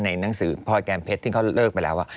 หนังสือพรแก้มเพชรซึ่งเขาเลิกไปแล้ว